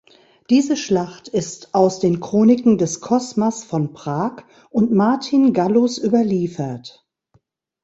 Diese Schlacht ist aus den Chroniken des Cosmas von Prag und Martin Gallus überliefert.